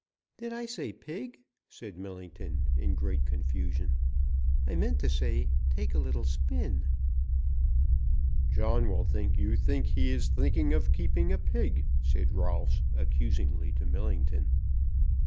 "Did I say pig?" said Millington in great confusion. "I meant to say: 'take a little spin.'" "John will think you think he is thinking of keeping a pig," said Rolfs accusingly to Millington.